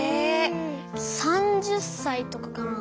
３０歳とかかな？